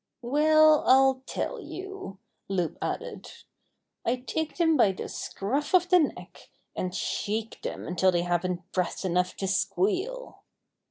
"Well, I'll tell you," Loup added. "I take them by the scruff of the neck, and shake them until they haven't breath enough to squeal."